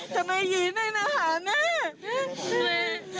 ทำไมหยีไม่มาหาแม่